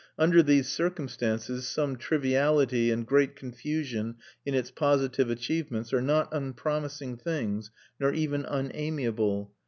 Under these circumstances, some triviality and great confusion in its positive achievements are not unpromising things, nor even unamiable.